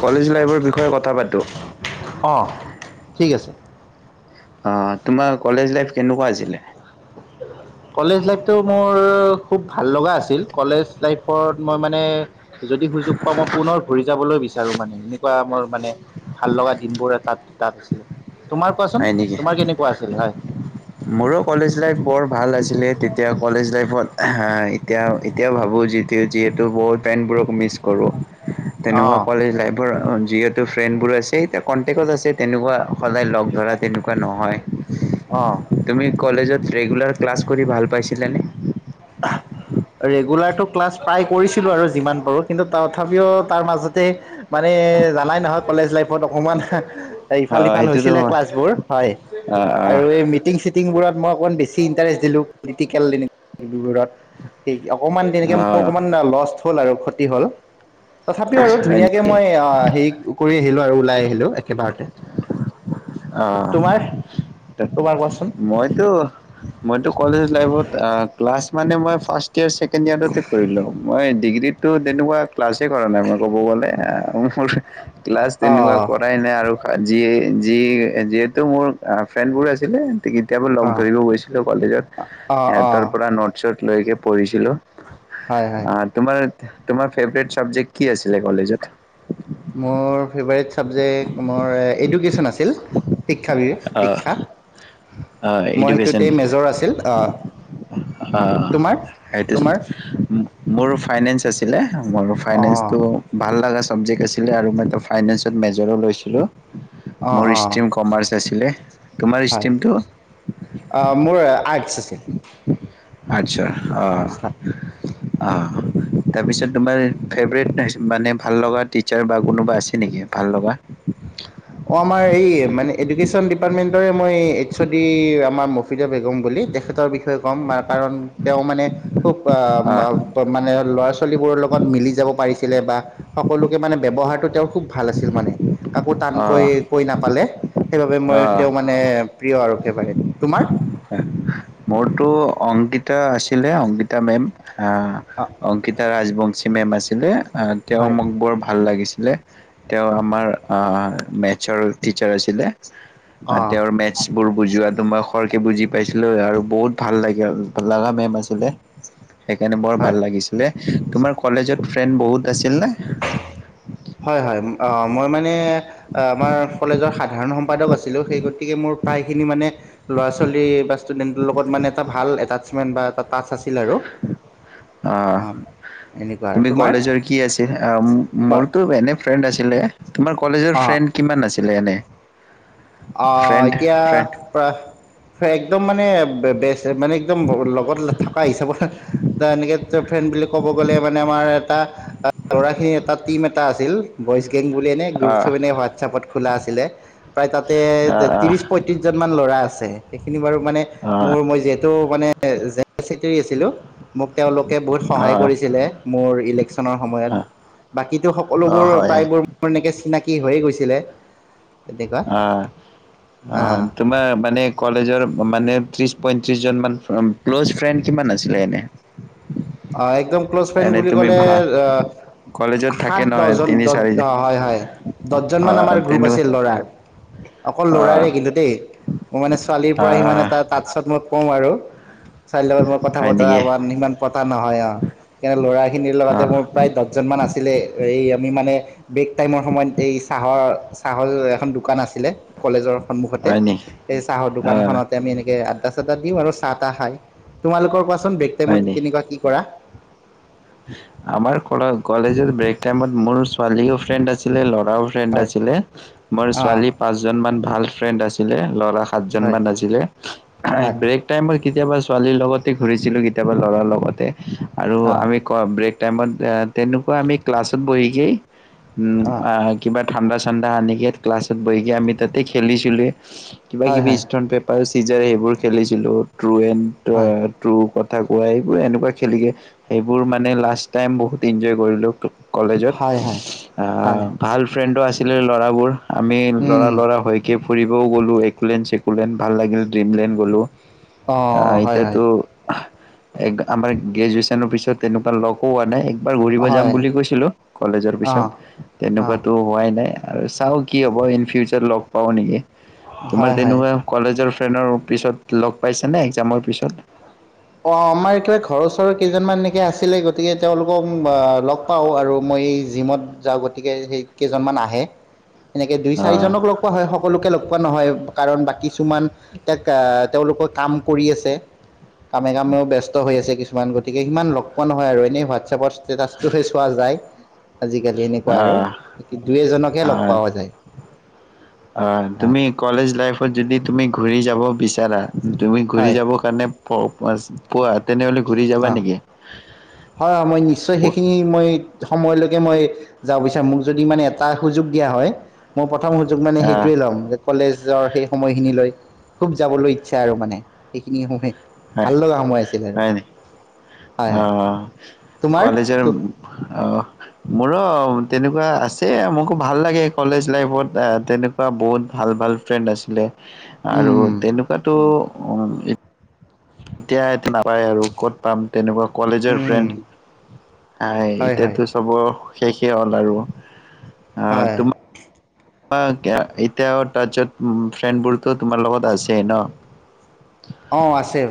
College লাইফৰ বিষয়ে কথা পাতোঁ। অঁ ঠিক আছে অ তোমাৰ কলেজ লাইফ কেনেকুৱা আছিলে? কলেজ লাইফটো মোৰ খুব ভাল লগা আছিল। কলেজ লাইফত মই মানে যদি সুযোগ পাওঁ মই পুনৰ ঘুৰি যাবলৈ বিচাৰো। আৰু মানে এনেকুৱা মোৰ মানে ভাল লগা দিন বোৰ এ তাত-তাত আছিলে। তোমাৰ কোৱাচোন, হয় নেকি তোমাৰ কেনেকুৱা আছিল হয়? মোৰো কলেজ লাইফ বৰ ভাল আছিলে তেতিয়া কলেজ লাইফত এতিয়া-এতিয়া ভাবোঁ যি যিহেতু বহুত টাইম বোৰক মিছ কৰোঁ। তেনেকুৱা অঁ কলেজ লাইফৰ যি তোৰ ফ্ৰেন বোৰ আছে এতিয়া কণ্টেক্টত আছে তেনেকুৱা সদাই লগ ধৰা তেনেকুৱা নহয়। অঁ তুমি কলেজত ৰেগুলাৰ ক্লাছ কৰি ভাল পাইছিলানে? ৰেগুলাৰ টো ক্লাছ প্ৰায় কৰিছিলো আৰু যিমান পাৰো কিন্তু তথাপিও তাৰ মাজতে মানে জানাই নহয় কলেজ লাইফত অকমান অ ইফাল-সিফাল সেইটোতো হৈছিলে হয় ক্লাছবোৰ হয়। অ আৰু এই মিটিং চিটিং বোৰত মই অকণ বেছি ইণ্টাৰেষ্ট দিলো প্ৰেক্টিকেল তেনেকৈ এইবোৰত সেই অকমান তেনেকে অ মোৰ অ অকণমান লষ্ট হ'ল আৰু ক্ষতি হ'ল। তথাপিও আৰু হয় ধুনীয়াকে নেকি মই অ হেৰি কৰি আহিলো আৰু ওলাই আহিলো একেবাৰতে। অ। তোমাৰ তোমাৰ কোৱাচোন মই টো-মই টো কলেজ লাইফত আ ক্লাছ মানে মই ফাৰ্ষ্ট ইয়াৰ, ছেকেণ্ড ইয়াৰতে কৰিলোঁ, মই ডিগ্ৰীত ত তেনেকোৱা ক্লাছে কৰা নাই মই ক'ব গ'লে। মোৰ ক্লাছ তেনেকুৱা অঁ কৰাই নাই আৰু জি যি যিহেতু মোৰ ফ্ৰেণ্ড বোৰ আছিলে কেতিয়াবোৰ লগ অঁ ধৰিব গৈছিলো কলেজত। অঁ অঁ সিহঁতৰ অঁ পৰা নোটছত লৈকে পঢ়িছিলোঁ। হয় হয় অ তোমাৰ তোমাৰ ফেভৰেট চাবজেক্ কি আছিলে কলেজত? মোৰ ফেভৰেট চাবজেক মোৰ এডুকেশ্বন আছিল। শিক্ষাৰে [unintelligible] শিক্ষা। অ মই এডুকেশ্বন। সেইটোতেই মেজৰ আছিল অঁ উম, অহ। তোমাৰ সেইটো তোমাৰ মোৰো ফাইনেন্স আছিলে, মোৰ ফাইনেন্স অঁ টো ভাল লগা চাবজেক্ট আছিলে আৰু মই তো ফাইনেন্সত মেজৰো লৈছিলোঁ। অঁ মোৰ অঁ ষ্ট্ৰীম কমাৰ্চ আছিলে, তোমাৰ হয় ষ্ট্ৰীমটো? আহ মোৰ আৰ্টছ আছিল। আৰ্টছৰ অঁ আৰ্টছ। অঁ তাৰপিছত তোমাৰ ফেভৰেট মানে ভাল লগা টিচাৰ বা কোনোবা আছে? নেকি ভাল লগা? অ আমাৰ এই মানে এডুকেছন ডিপাৰ্টমেণ্টৰ এ মই এই এহ ও দি আমাৰ বেগম বুলি। তেখেতৰ বিষয়ে কম কাৰণ তেওঁ মানে খুব অঁ আহ মানে ল'ৰা ছোৱালীবোৰৰ লগত মিলি যাব পাৰিছিল। বা সকলোকে মানে ব্যৱহাৰটো তেওঁ খুব ভাল আছিল মানে। কাকো অঁ কৈ-কৈ নাপালে সেইবাবে মই অঁ তেওঁ মানে প্ৰিয় আৰু ফেভাৰেট। তোমাৰ? হয় মোৰতো অংকিতা আছিলে, অংকিতা মেম। হ অঁ অংকিতা ৰাজবংশী মেম আছিলে অ তেওঁ হয় মোক বৰ ভাল লাগিছে। তেওঁ আমাৰ মেথছৰ টিচাৰ আছিলে। অঁ তেওঁৰ মেথছবোৰ বুজোৱাটো মই খৰ কে বুজি পাইছিলো আৰু বহুত ভাল লাগিল। লগা মেম আছিলে সেইকাৰণে বৰ ভাল হয় লাগিছিলে। তোমাৰ কলেজত ফ্ৰেণ্ড বহুত আছিল নে। হয় হয় মই মানে। অ আমাৰ কলেজৰ সাধাৰণ সম্পাদক আছিলো সেই গতিকে মোৰ প্ৰায়খিনি মানে ল'ৰা ছোৱালী বা ষ্টুডেন্টৰ লগত মানে এটা ভাল এটাচমেন্ট বা এটা টাচ আছিল। আৰু আহ এনেকুৱা তোমাৰ অ মোৰতো এনে ফ্ৰেণ্ড আছিলে। তোমাৰ কলেজৰ ফ্ৰেণ্ড কিমান আছিলে এনে। অ ফ্ৰেণ্ড এতিয়া ফ্ৰেণ্ড একদম মানে বে মানে একদম। লগত থকা হিচাপত থকা এনেকে ফ্ৰেণ্ড বুলি ক'ব গ'লে মানে আমাৰ এটা ল'ৰা খিনি এটা টিম এটা আছিল বয়চ গেং বুলি এনে গ্ৰুপ আহ চুপ এনে হোৱাটছআপত খোলা আছিলে প্ৰায় তাত। তাতে আহ আহ ত্ৰিশ পঁয়ত্ৰিশজন মান ল'ৰা আছে। সেইখিনি বাৰু মানে অ', মোৰ যিহেতু চেকুতৰি আছিলো। অঁ মোক তেওঁলোকে বহুত সহায় অ', কৰিছিল ইলেক্সনৰ সময়ত অ', বাকী অ', সকলোবোৰ হয়, হয়, প্ৰয়াই বোৰ চিনাকি কি হৈয়ে গৈছিলে এইবাৰ অ'। অ তোমাৰ মানে কলেজেৰ মানে ত্ৰিশ পয়ত্ৰিশ জন ক্ল'জ ফ্ৰেণ্ড কিমান আছিলে এনে হয় একদম ক্ল'জ ফ্ৰেণ্ড এনে বুলি তুমি ক'লে ভা কলেজত থাকে সাত নহয় দহজন তিনি চাৰি হয় হয় দহজন মান আমাৰ অ', গ্ৰুপ তেনে আছিল ল'ৰাৰ অকল অ', ল'ৰাৰে কিন্তু দেই মোৰ মানে ছোৱালীৰ পৰা সিমানে অ', তাৰপিছত মোক কওঁ আৰু চাৰে মই কথা হয় বতৰা নেকি? কৰাত ইমান পতা নহয় অ প্ৰায় ল'ৰাখিনিৰ লগতে অ', মোৰ প্ৰায় দহজনমান আছিলে এই আমি মানে ব্ৰেক টাইমৰ সময়ত এই চাহৰ চাহৰ এখন দোকান আছিলে কলেজৰ সন্মুখতে হয় নেকি? এই চাহৰ অ', দোকানখনতে আমি এনেকে আদা। তাতে দিম আৰু চাহ তাহ খাই তোমালোকৰ কোৱাচোন বেক্স হয় টাইমত নেকি? কেনেকুৱা কি কৰা আমাৰ কলেজত ব্ৰেক টাইমত মোৰ ছোৱালীও ফ্ৰেণ্ড আছিলে ল'ৰাও ফ্ৰেণ্ড হয় আছিলে মোৰ অঁ ছোৱালী পাঁচজন মান ভাল ফ্ৰেণ্ড আছিল আছিলে ল'ৰা সাতজন হয় মান আছিলে হয় ব্ৰেক টাইমৰ কেতিয়াবা ছোৱালীৰ লগতে ঘূৰিছিলো কেতিয়াবা লৰাৰ লগতে আৰু অঁ আমি ব্ৰেক টাইমত তেনেকুৱা আমি ক্লাছত বহিকেই উম অঁ আহ কিবা ঠাণ্ডা চাণ্ডা আনিকে ক্লাছ গৈকিনে আমি তাতে খেলিছো ছিলে কিবা হয় কিবি হয় স্থাম পেপাৰ আছে। চিজাৰে সেইবোৰ খেলিছিলোঁ ট্ৰু এণ্ড হয় ট্ৰু কত পোৱাই পোৱাই এনেকোৱা খেলিগে এই বোৰ মানে লাষ্ট টাইম বহুত এনজয় কৰিলোঁ কলেজত হয় হয় অ হয় ভাল ফ্ৰেণ্ডো আছে যে ল'ৰাবোৰ। আমি ল'ৰা ল'ৰা হৈকে ফুৰিবও গ'লো একোলেণ্ড বোলেণ্ড ভাল লাগিল ড্ৰিমলেন গ'লোঁ অ অঁ হয় হয় এতিয়াতো আমাৰ গ্ৰেজুৱেচনৰ পিছত তেনেকোৱা লগো হোৱা নাই এবাৰ ঘূৰিব যাম হয় বুলি কৈছিলো কলেজৰ অঁ পিছত অঁ তেনেকোৱাতো হোৱাই নাই আৰু চাও কি হয় ইন ফিউচাৰ লগ পাও নেকি হয় মানে হয় নহয় কলেজৰ। ফ্ৰেনডৰ পিছত লগ পাইছে নে একজামৰ পিছত অ আমাৰ একেবাৰে ঘৰৰ ওৰৰ কেইজনমান এনেকে আছিলে গতিকে তেওঁলোকক লগ পাওঁ আৰু মই জিমত যাওঁ গতিকে সেই কেইজনমান আহে এনেকে দুই আহ চাৰিজনক লগ পোৱা হয় সকলোকে লগ পোৱা পোৱা নহয় কাৰণ বাকি কিছুমান তেওঁলোকৰ কাম কৰি আছে। কামে কামেও ব্যস্ত হৈ আছে কিছুমান মান গতিকে সিমান লগ পোৱা নহয় আৰু এনেই হোৱাটছপৰ ষ্টেটাচটোহে চোৱা যায়। আজিকালি এনেকোৱা আৰু আহ দুই এজনকহে লগ আহ পোৱা যায়। ও যদি তুমি ঘূৰি যাব বিচাৰা তুমি ঘূৰি যাব কাৰণে প পোৱাত অহ, হয় মই নিশ্চয় সেইখিনি মই সময়লৈ তাকে মই যাব বিচাৰো মোক যদি মানে এটা সুযোগ দিয়া হয়। প্ৰথম সুযোগ মানে আহ সেইটোৱে ল'ম। কলেজৰ সেই সময়খিনিলৈ খুব যাবলৈ ইচ্ছা আৰু মানে সেইখিনি সময়। ভাল লগা সময় আছিলে আৰু হয় হয় অহ তোমাৰ কলেজৰ অহ, মোৰো তেনেকোৱা আছে মোকো ভাল লাগে। কলেজ লাইফত তেনেকোৱা বহুত ভাল-ভাল ফ্ৰেণ্ড আছিলে। উম আৰু উম তেনেকোৱাতো উম এতিয়াটো নাপায় আৰু ক'ত পাম? তেনেকুৱা কলেজৰ উম ফ্ৰেণ্ড। আই হয় হয় এতিয়াতো চব শেষেই হ'ল আৰু। হয়। এতিয়া তাচত ফ্ৰেণ্ড বোৰ তো তোমা লগত আছেই ন? অহ আছে। অহ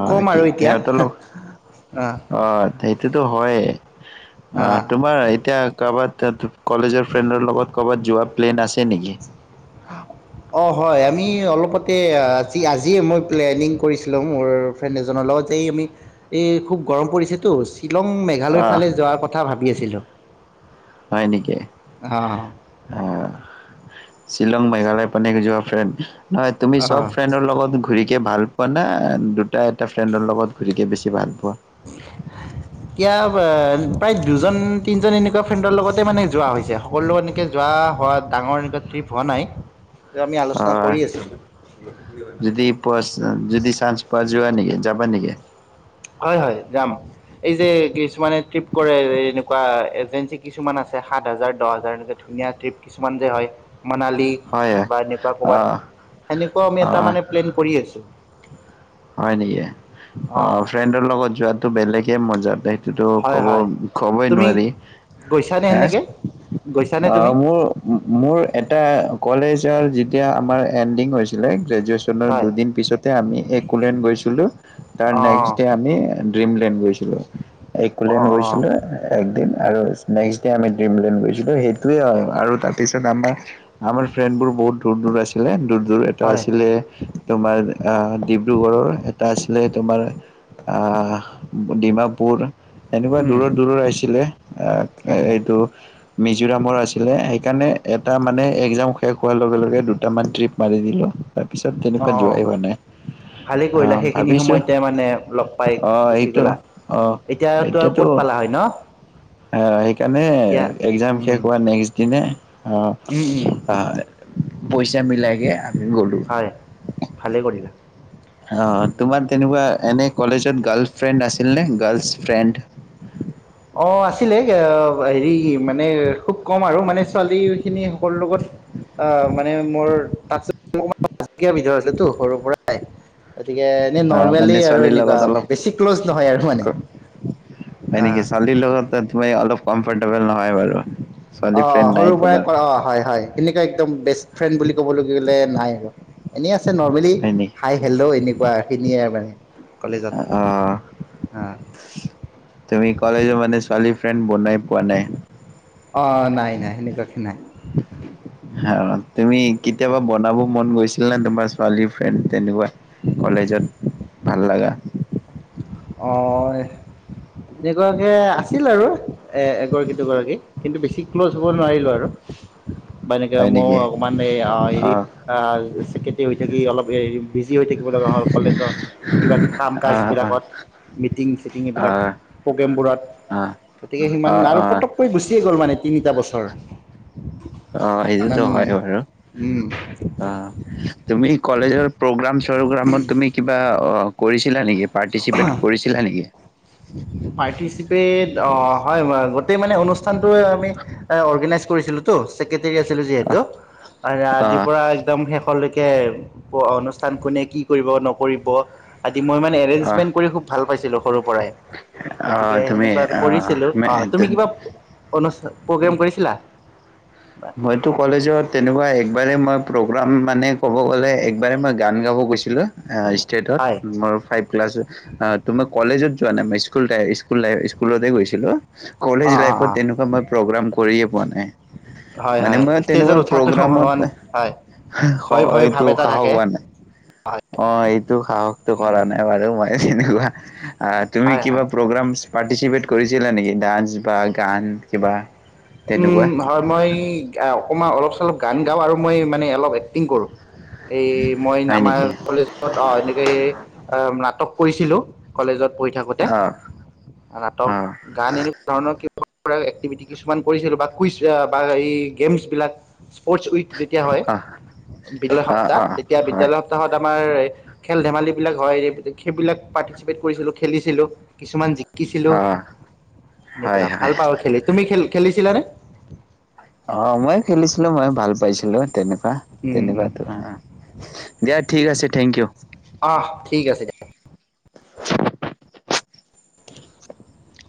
অহ কি তেহেতৰ অঁ লগত অহ সেইটোতো হয়ে। অহ অঁ তোমাৰ এতিয়া ক'বাত কলেজৰ ফ্ৰেণ্ডৰ লগত কৰ'বাত যোৱা প্লেন আছে নেকি? অ হয় আমি অলপতে আজি আজিয়ে মই প্লেনিং কৰিছিলো মোৰ ফ্ৰেণ্ড এজনৰ লগত যে এই আমি এই খুব গৰম পৰিছেতো শ্বিলং মেঘালয়ৰ অ', ফালে যোৱাৰ কথা ভাবি আছিলোঁ। হয় নেকি অহ। অ শ্বিলং মেঘালয় পানীক যোৱা ফ্ৰেণ্ড? নহয় তুমি চব অঁ ফ্ৰেণ্ডৰ লগত ঘূৰিকে ভাল পোৱা না, দুটা এটা ফ্ৰেণ্ডৰ লগত ঘূৰিকে বেছি ভাল পোৱা? এতিয়া প্ৰায় দুজন তিনজন এনেকুৱা ফ্ৰেণ্ডৰ লগতে মানে যোৱা হৈছে সকলোত এনেকে যোৱা হোৱা ডাঙৰ এনেকুৱা ট্ৰিপ হোৱা নাই। আমি অ আলোচনা কৰি আছিলোঁ যদি পোৱা যদি চানছ পোৱা যোৱা নেকি যাবা নেকি? হয় হয় যাম এই যে কিছুমানে ট্ৰিপ কৰে এনেকুৱা এজেঞ্চি কিছুমান আছে সাত হাজাৰ দহ হাজাৰ এনেকে ধুনীয়া ট্ৰিপ কিছুমান যে হয় মনালী হয় বা এনেকুৱা অ ক'বাত সেনেকুৱাও আমি অ এটা মানে প্লেন কৰি আছোঁ হয় নেকি অ অঁ ফ্ৰেণ্ডৰ লগত যোৱাতো বেলেগে মজা স হয় ক'ব হয় ক'বই তুমি নোৱাৰি গৈছানে হে সেনেকে গৈছানে অ তুমি মোৰ মোৰ এটা কলেজৰ যি এতিয়া আমাৰ এণ্ডিং হৈছিলে গ্ৰেজুৱেচনৰ হয় দুদিন পিছতে আমি এক কোলেন গৈছিলোঁ তাৰ অঁ নেক্সত দে আমি ড্ৰিমলেণ্ড গৈছিলোঁ এক কুলেন অঁ অঁ গৈছিলো একদিন আৰু নেকষ্ট দে আমি ড্ৰিমলেণ্ড গৈছিলো সেইটোৱে আও আৰু তাৰপিছত আমাৰ আমাৰ ফ্ৰেণ্ডবোৰ বহুত দূৰ দূৰ আছিলে দূ দূৰ এটা হয় আছিলে তোমাৰ আ ডি এটা আছিলে তোমাৰ আহ ডিমাপুৰ এনেকুৱা উম দূৰৰ দূৰৰ আহিছিলে আহ হয় হয় এইটো মিজোৰামৰ আছিলে সেইকাৰণে এটা মানে একজাম শেষ হোৱাৰ লগে - লগে দুটামান ট্ৰিপ মাৰি দিলোঁ। তাৰ পিছত তেনেকুৱা যোৱায় হোৱা নাই। ভালে কৰিলা আহ সেইখিনি ভাবিছোঁ সময়তে মানে লগ পাই আহ গুচি এইটো গলা আহ এতিয়া তো আৰু ক'ত পালা হয় ন। অ সেই সেইকাৰণে, এতিয়া এক্সাম উম শেষ হোৱা নেক্সট দিনা অ উম অ উম হয়। পইচা মিলাইগে - - হয়, ভালেই কৰিলা। অঁ উম। তোমাৰ তেনেকুৱা এনে কলেজত গাৰ্ল ফ্ৰেণ্ড আছিলনে? গাৰ্লছ ফ্ৰেণ্ড অ আছিলে অ হেৰি মানে খুব কম আৰু মানে ছোৱালী খিনি সকলোৰ লগত অঁ মানে মোৰ বিধৰ আছিলে তো সৰু পৰাই। গতিকে এনে আহ নৰ্মেলি মানে আৰু ছোৱালীৰ লগত অলপ এনেকুৱা বেছি ক্লজ নহয় আৰু মানে, অ ত মই অলপ কমফৰ্টেবুল নহয় বাৰু। অ ছোৱালী ফ্ৰেণ্ড নাই সৰুৰ পৰাই তোমাৰ ক অ হয় হয় সেনেকুৱা একদম বেষ্ট ফ্ৰেণ্ড বুলি ক'বলৈ গ'লে নাই আৰু এনেই আছে নৰ্মেলি হয় নেকি? হাই হেল্ল' এনেকুৱা খিনিয়ে আৰু মানে। কলেজত অ, অ তুমি কলেজৰ মানে ছোৱালী ফ্ৰেণ্ড বনাই পোৱা নাই। অ নাই নাই সেনেকুৱাকে নাই। হ' তুমি কেতিয়াবা বনাব মন গৈছে ছিল নে তোমাৰ ছোৱালী ফ্ৰেণ্ড তেনেকুৱা কলেজত, ভাল লগা? অ' এগৰাকী আছিল আৰু, এ, এগৰাকী দুগৰাকী, কিন্তু বেছি ক্ল'ছ হ'ব নোৱাৰিলো আৰু বা এনেকে হয় মও নেকি? অকমান হেৰি, অ', ছেক্ৰেটৰী হৈ থাকি অলপ বিজি হৈ থাকিব লগা হ'ল, কলেজত, কিবা কাম কাজ অ', অ', অ', বিলাকত। মিটিং চিটিং এইবিলাক, অ', প্ৰগ্ৰেমবোৰত, গতিকে সিমান অ', আৰু অ'। ফটককৈ গুচি গ'ল মানে তিনিটা বছৰ অ সেইটোতো ইমান হয় বাৰু, উম অ, তুমি কলেজৰ প্ৰগ্ৰাম চগ্ৰামত তুমি কিবা অ' কৰিছিলা নেকি? পাৰ্টিচিপেট কৰিছিলা নেকি? পাৰ্টিচিপেট অ', হয়, গোটেই মানে অনুষ্ঠানটো আমি অৰ্গেনাইজ কৰিছিলোঁ তো ছেক্ৰেটেৰী আছিলো যিহেতু, অ', আৰু আদিৰ অ', পৰা একদম শেষৰ লৈকে কে অনুষ্ঠান কোনে কি কৰিব, নকৰিব মই মানে অ', এৰেঞ্জমেণ্ট কৰি খুউব ভাল পাইছিলোঁ। সৰু পৰাই অ', গতিকে তুমি সেনেকুৱা এ কৰিছিলো। অ তুমি কিবা অনুষ্ঠা, প্ৰগ্ৰেম কৰিছিলা? মইতো কলেজত তেনেকুৱা এক একবাৰে মই প্ৰগ্ৰাম মানে ক'ব গ'লে একবাৰে মই গান গাব গৈছিলো হয় ষ্টেটত মই ফাইপ ক্লাছ অ তুমাৰ কলেজত যোৱা নাই স্কুলে স্কুলে স্কুলতে গৈছিলো। কলেজ অ' অ' অ' লাইফত এনেকুৱা মই প্ৰগ্ৰাম কৰিয়ে পোৱা নাই। হয় মানে হয় মই তেনেকুৱা ষ্টেজত উঠাটো প্ৰগ্ৰামত হয় হে ভয় ভয় ভাৱ এইটো এটা সাহস থাকে হোৱা নাই। হয় অ এইটো সাহসটো কৰা উম নাই বাৰু মই কেনেকুৱা তুমি হয় হয় কিবা প্ৰগ্ৰাম্ছ পাৰ্টিচিপেট কৰিছিলা নেকি? ডান্স বা গান কিবা? তেনেকুৱা উম হয় মই অকমান অলপ চলপ গান গাওঁ আৰু মই মানে অলপ এক্টিং কৰো। এই মই হয় আমাৰ নেকি? কলেজত অ এনেকে সেই অ ন তপ কৰিছিলো, কলেজত। পঢ়ি থাকোতে অ' নাটক অ' গান এনেকোৱা ধৰণৰ একটিভিটি কিছু কিছুমান কৰিছিলো বা কুইজ বা এই গেমছ বিলাক স্পৰ্টচ উইক যেতিয়া হয় অ'। বিদ্যালয় অ', সপ্তাহ অ', তেতিয়া হয় বিদ্যালয় সপ্তাহত আ আমাৰ খেল ধেমালি বিলাক হয় সেইবিলাক পাৰ্টিচিপেট কৰিছিলো খেলিছিলো কিছুমান শিকিছিলো অ', হয়, এনেকোৱা ভাল হয়। পাওঁ খেলি তুমি খেল ছিলা নে অ ময় খেলিছিলো মই ভাল পাইছিলো তেনেকোৱা উম তেনেকোৱা উম। তোমাৰ হ দিয়া ঠিক আছে থেংক ইউ অহ ঠিক আছে দিয়া [unintelligible]